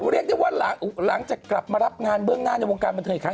เรียกได้ว่าหลังจะกลับมารับงานมันกลางทางอีกครั้ง